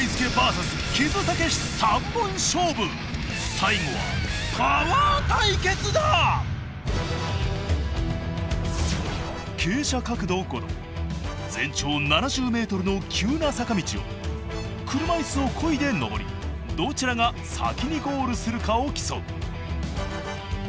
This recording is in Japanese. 最後は傾斜角度５度全長７０ｍの急な坂道を車いすをこいで上りどちらが先にゴールするかを競う。